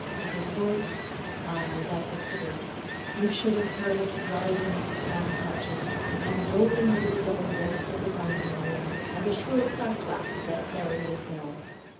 But his voice ay, that was the bit you should have heard it rising in song snatches, and rolling high over the double bass of the grinding wheels and the shrill clack clack of that merry old mill.